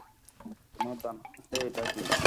তোমার ডান হাতে এটা কী?